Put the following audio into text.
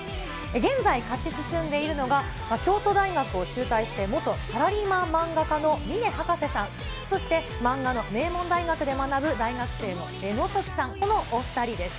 現在、勝ち進んでいるのが、京都大学を中退して、元サラリーマン漫画家の峰博士さん、そして漫画の名門大学で学ぶ大学生の江野兎季さん、このお２人です。